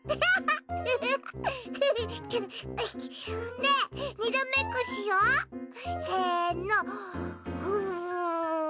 ねえにらめっこしよう！せの！